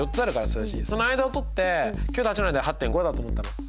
その間をとって９と８の間で８．５だと思ったの。